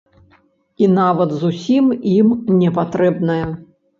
І нават зусім ім не патрэбнае.